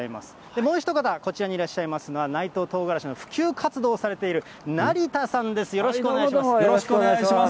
もう一方、こちらにいらっしゃいますのは、内藤とうがらしの普及活動をされている、成田山です、よろしくお願いします。